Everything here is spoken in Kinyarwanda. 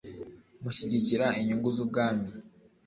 mushyigikira inyungu z Ubwami